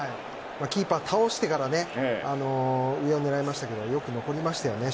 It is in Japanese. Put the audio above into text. キーパーを倒してから上を狙いましたがよく残りましたよね。